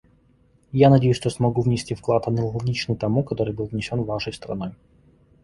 Я надеюсь, что смогу внести вклад, аналогичный тому, который был внесен Вашей страной.